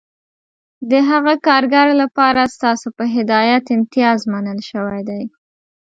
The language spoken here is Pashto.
د هغه کارګر لپاره ستاسو په هدایت امتیاز منل شوی دی